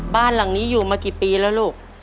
บ้านหลังนี้อยู่มากี่ปีแล้วลูก